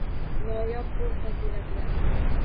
Noyob bu fazilatlar